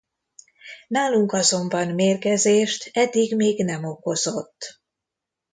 Nálunk azonban mérgezést eddig még nem okozott.